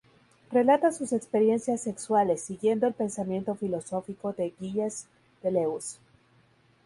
Relata sus experiencias sexuales, siguiendo el pensamiento filosófico de Gilles Deleuze.